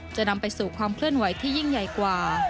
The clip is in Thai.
จะนำไปสู่ความเคลื่อนไหวที่ยิ่งใหญ่กว่า